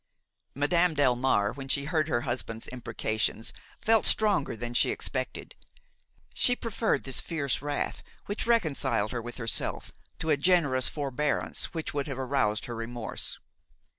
Madame Delmare, when she heard her husband's imprecations, felt stronger than she expected. She preferred this fierce wrath, which reconciled her with herself, to a generous forbearance which would have aroused her remorse.